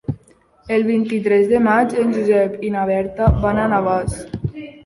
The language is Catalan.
El vint-i-tres de maig en Josep i na Berta van a Navàs.